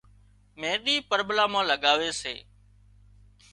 مينۮِي پرٻلا مان لڳاوي سي